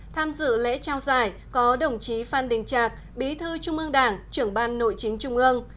tham dự lễ trao giải có đồng chí phan đình trạc bí thư trung ương đảng trưởng ban nội chính trung ương